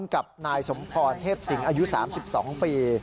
กับนายสมพรเทพสิงห์อายุ๓๒ปี